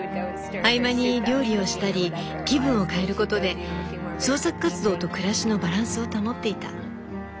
合間に料理をしたり気分を変えることで創作活動と暮らしのバランスを保っていた。